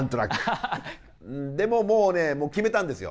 でももうねもう決めたんですよ